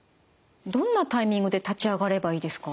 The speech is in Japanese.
どんなタイミングで立ち上がればいいですか？